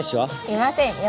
いませんよ。